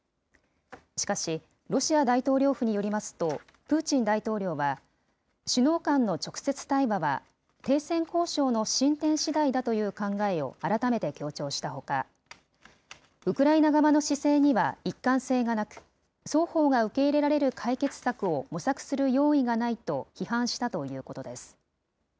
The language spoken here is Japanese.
しかし、ロシア大統領府によりますと、プーチン大統領は、首脳間の直接対話は停戦交渉の進展しだいだという考えを改めて強調したほか、ウクライナ側の姿勢には一貫性がなく、双方が受け入れられる解決策を模索する用意がないと批判したということです。